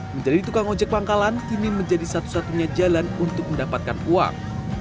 menjadi tukang ojek pangkalan kini menjadi satu satunya jalan untuk mendapatkan uang